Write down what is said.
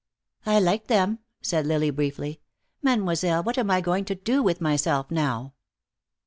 "I liked them," said Lily, briefly. "Mademoiselle, what am I going to do with myself, now?"